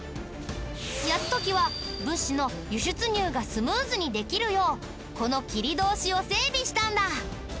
泰時は物資の輸出入がスムーズにできるようこの切通を整備したんだ。